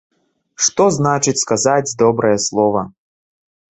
Што значыць сказаць добрае слова!